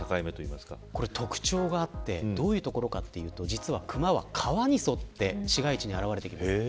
これ特徴があってどういうところかというと実はクマは川に沿って市街地に現れます。